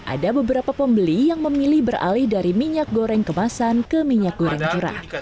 ada beberapa pembeli yang memilih beralih dari minyak goreng kemasan ke minyak goreng curah